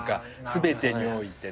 すべてにおいてね。